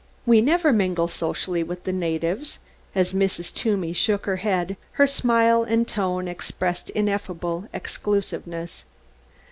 "We never mingle socially with the natives." As Mrs. Toomey shook her head her smile and tone expressed ineffable exclusiveness.